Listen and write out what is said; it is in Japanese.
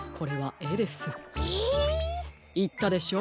いったでしょう？